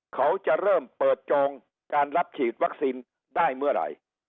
เขาจะเริ่มเปิดจองการรับฉีดวัคซีนได้เมื่อไหร่